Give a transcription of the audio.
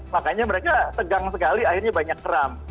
makanya mereka tegang sekali akhirnya banyak keram